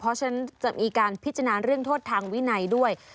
เพราะฉะนั้นจะมีการพิจารณาเรื่องโทษทางวินัยด้วย